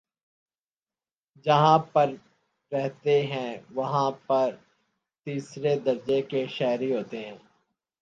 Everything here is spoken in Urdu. جہاں پر رہتے ہیں وہاں پر تیسرے درجے کے شہری ہوتے ہیں